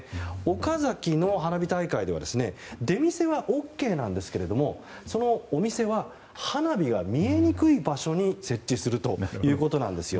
岡崎の花火大会では出店はＯＫなんですがそのお店は花火が見えにくい場所に設置するということなんです。